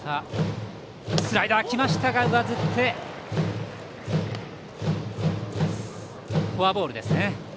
スライダーきましたが上ずってフォアボールです。